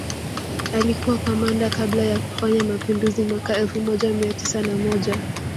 Alikua kamanda kabla ya kufanya mapinduzi mwaka elfu moja mia tisa na moja